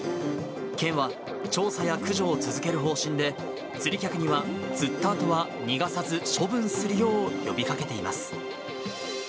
県は調査や駆除を続ける方針で、釣り客には、釣ったあとは逃がさず、処分するよう呼びかけています。